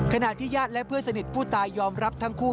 ขณะที่ญาติและเพื่อนสนิทผู้ตายยอมรับทั้งคู่